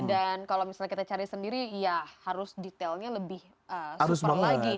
dan kalau misalnya kita cari sendiri ya harus detailnya lebih super lagi